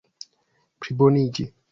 pliboniĝi